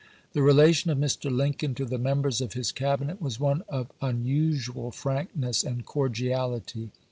The relation of Mr. Lincoln to the members of his Cabinet was one of unusual frankness and cordiality.